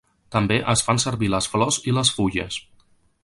També es fan servir les flors i les fulles.